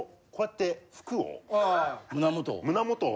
胸元を。